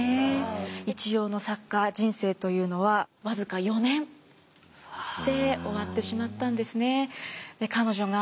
一葉の作家人生というのは僅か４年で終わってしまったんですね。